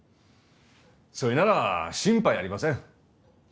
そいなら心配ありません。